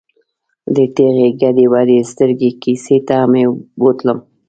د ټېغې ګډې ودې سترګې کیسې ته مې بوتلم.